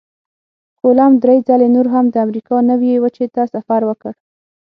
کولمب درې ځلې نور هم د امریکا نوي وچې ته سفر وکړ.